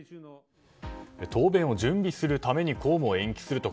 答弁を準備するために公務を延期すると。